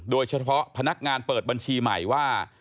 โดยเฉพาะพนักงานเปิดบัญชีใหม่ว่า